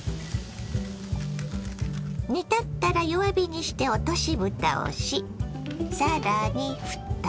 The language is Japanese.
煮立ったら弱火にして落としぶたをし更にふた。